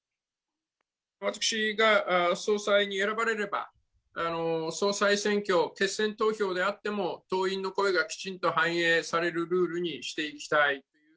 私が総裁に選ばれれば、総裁選挙、決選投票であっても党員の声がきちんと反映されるルールにしていきたい。